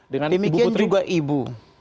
demikian juga ibu